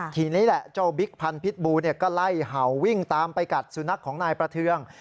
ทีนี้แหละเจ้าบิ๊กพันธิ์บูก็ไล่เห่าวิ่งตามไปกัดสุนัขของนายประเทือง